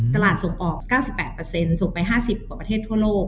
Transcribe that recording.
ตลาดส่งออกเก้าสิบแปดเปอร์เซ็นต์ส่งไปห้าสิบกว่าประเทศทั่วโลก